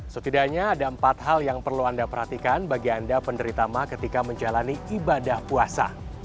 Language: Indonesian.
setidaknya ada empat hal yang perlu anda perhatikan bagi anda penderita mah ketika menjalani ibadah puasa